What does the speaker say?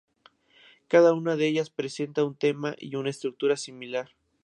Cada una de ellas presenta un tema y una estructura similar.